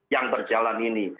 yang berjalan ini